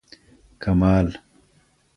کمال